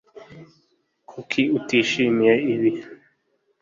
Kuki utishimiye ibi